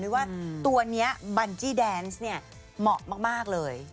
ว่าตัวนี้บันจี้แดนส์เนี่ยเหมาะมากเลย